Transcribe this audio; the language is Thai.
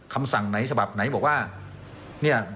คำสั่งไหนฉบับไหนบอกว่าเนี่ย